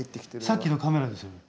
さっきのカメラですよね。